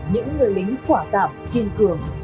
những người lính quả tạm kiên cường